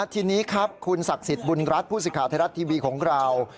ทีนี้ครับคุณศักดิ์สิทธิ์บุญรัฐผู้สิทธิ์ไทยรัฐทีวีของเรา